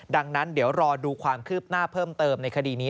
ดังนั้นเดี๋ยวรอดูความคืบหน้าเพิ่มเติมในคดีนี้